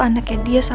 anaknya dia sama nina